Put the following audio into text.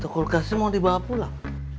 kulkasnya mau dibawa pulang